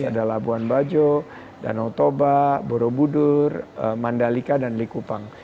ada labuan bajo danau toba borobudur mandalika dan likupang